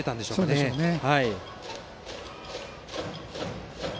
そうでしょうね。